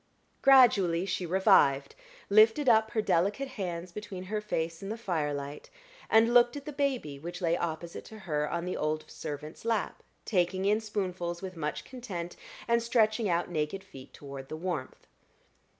Gradually she revived, lifted up her delicate hands between her face and the firelight, and looked at the baby which lay opposite to her on the old servant's lap, taking in spoonfuls with much content, and stretching out naked feet toward the warmth.